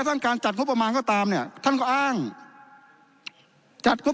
ทั้งการจัดงบประมาณก็ตามเนี่ยท่านก็อ้างจัดก็